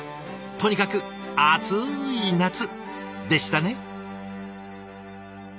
とにかく熱い夏でしたね！